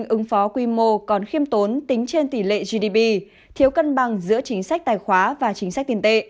ứng phó quy mô còn khiêm tốn tính trên tỷ lệ gdp thiếu cân bằng giữa chính sách tài khoá và chính sách tiền tệ